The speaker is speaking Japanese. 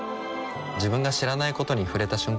自分が知らないことに触れた瞬間